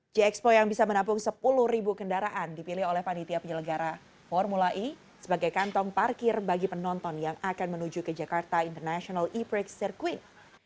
g expo yang bisa menampung sepuluh ribu kendaraan dipilih oleh panitia penyelenggara formula e sebagai kantong parkir bagi penonton yang akan menuju ke jakarta international e prix circuit